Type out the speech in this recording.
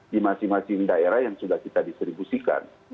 di masing masing daerah yang sudah kita distribusikan